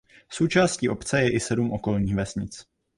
Součástí obce je i sedm okolních vesnic.